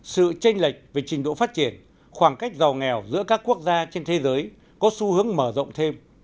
sự tranh lệch về trình độ phát triển khoảng cách giàu nghèo giữa các quốc gia trên thế giới có xu hướng mở rộng thêm